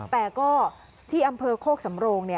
แต่ก็ที่อำเภอโคกสำโรง